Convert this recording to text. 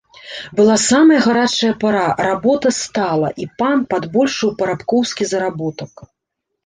Была самая гарачая пара, работа стала, і пан падбольшыў парабкоўскі заработак.